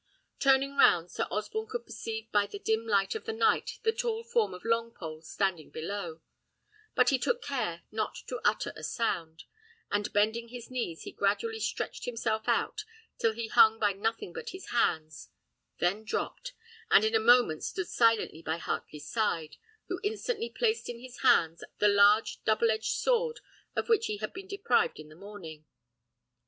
Turning round, Sir Osborne could perceive by the dim light of the night the tall form of Longpole standing below, but he took care not to utter a sound; and bending his knees, he gradually stretched himself out, till he hung by nothing but his hands; then dropped, and in a moment stood silently by Heartley's side, who instantly placed in his hands the large double edged sword of which he had been deprived in the morning.